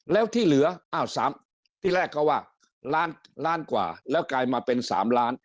แล้วที่เหลืออ้าวที่แรกเขาว่าล้านล้านกว่าแล้วกลายมาเป็น๓ล้าน